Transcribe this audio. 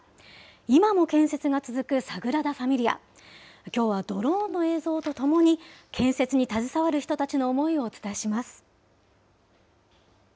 今も建設が続くサグラダ・ファミリア、きょうはドローンの映像とともに、建設に携わる人たちの思いをお伝えします。